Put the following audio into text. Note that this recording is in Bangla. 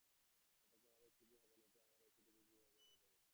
এটা কি আমাদের চিবিয়ে খাবে, নাকি আমরা অ্যাসিডে ধীরে ধীরে হজম হয়ে যাবো?